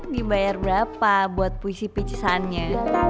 dibayar berapa buat puisi picisannya